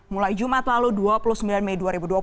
mulai jumat lalu dua puluh sembilan mei dua ribu dua puluh